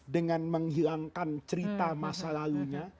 dengan menghilangkan cerita masa lalunya